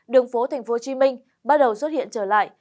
đường phố tp hcm bắt đầu xuất hiện trở lại